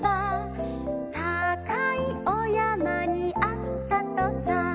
「たかいおやまにあったとさ」